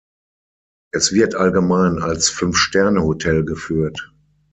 Es wird allgemein als Fünf-Sterne-Hotel geführt.